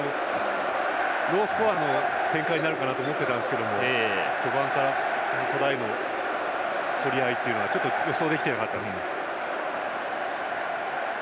ロースコアの展開になると思っていたんですが序盤からトライの取り合いはちょっと予想できてなかったです。